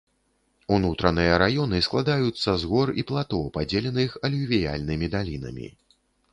Унутраныя раёны складаюцца з гор і плато, падзеленых алювіяльнымі далінамі.